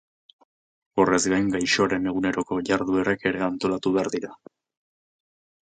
Horrez gain, gaixoaren eguneroko jarduerak ere antolatu behar dira.